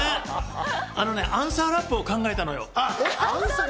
アンサーラップを考えたのよ。